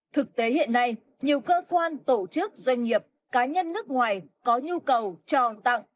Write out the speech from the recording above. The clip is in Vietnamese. thực tế hiện nay nhiều cơ quan tổ chức doanh nghiệp cá nhân nước ngoài có nhu cầu tròn tặng